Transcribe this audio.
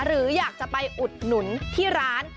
หรืออยากจะไปอุดหนุนที่ร้าน